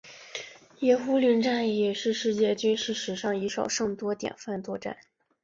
野狐岭战役也是世界军事史上以少胜多典范作战。